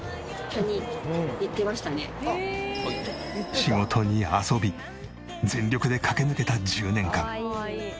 仕事に遊び全力で駆け抜けた１０年間。